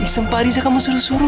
ism pak riza kamu suruh suruh